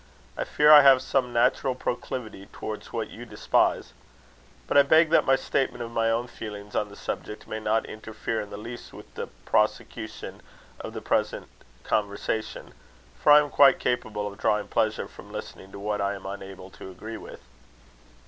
I fear I have some natural proclivity towards what you despise. But I beg that my statement of my own feelings on the subject, may not interfere in the least with the prosecution of the present conversation; for I am quite capable of drawing pleasure from listening to what I am unable to agree with."